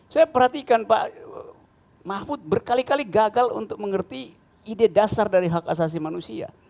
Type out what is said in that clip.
saya perhatikan pak mahfud berkali kali gagal untuk mengerti ide dasar dari hak asasi manusia